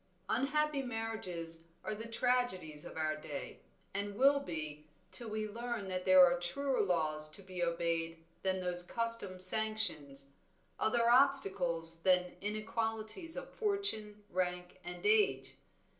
"Unhappy marriages are the tragedies of our day, and will be, till we learn that there are truer laws to be obeyed than those custom sanctions, other obstacles than inequalities of fortune, rank, and age.